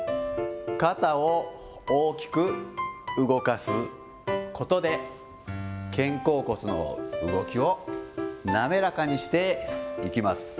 肩を大きく動かすことで、肩甲骨の動きを滑らかにしていきます。